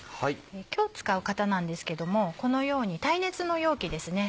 今日使う型なんですけどもこのように耐熱の容器ですね。